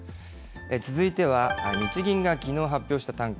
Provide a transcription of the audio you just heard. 続いては、日銀がきのう発表した短観。